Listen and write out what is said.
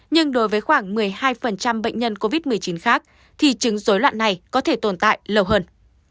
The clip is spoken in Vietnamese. nhưng đối với khoảng một mươi hai bệnh nhân covid một mươi chín khác thì chứng dối loạn này có thể tồn tại lâu hơn